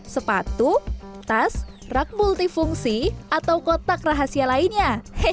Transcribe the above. sepatu tas rak multifungsi atau kotak rahasia lainnya